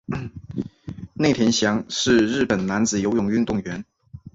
内田翔是日本男子游泳运动员。